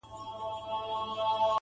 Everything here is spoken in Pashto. عقل او زړه يې په کعبه کي جوارې کړې ده_